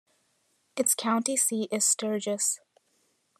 Its county seat is Sturgis.